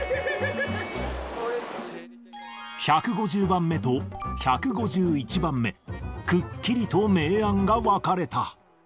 １５０番目と１５１番目、くっきりと明暗が分かれた。